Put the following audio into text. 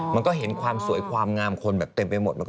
มันก็เห็นความสวยความงามคนแบบเต็มไปหมด